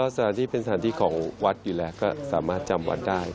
สถานที่เป็นสถานที่ของวัดอยู่แล้วก็สามารถจำวัดได้